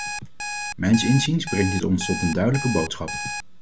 Mijns inziens brengt dit ons tot een duidelijke boodschap.